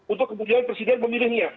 untuk kemudian presiden memilihnya